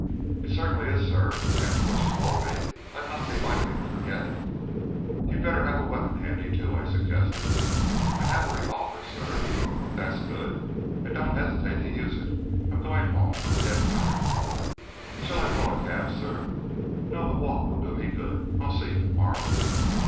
"It certainly is, sir. After what you told me, I'd not be likely to forget it." "You'd better have a weapon handy, too," I suggested. "I have a revolver, sir." "That's good. And don't hesitate to use it. I'm going home I'm dead tired." "Shall I call a cab, sir?" "No, the walk will do me good. I'll see you to morrow."